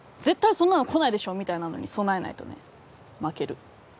絶対そんなのこないでしょうみたいなのに備えないとね負ける